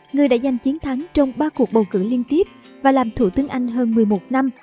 người đã giành chiến thắng trong ba cuộc bầu cử liên tiếp và làm thủ tướng anh hơn một mươi một năm